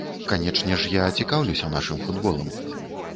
Канечне ж, я цікаўлюся нашым футболам.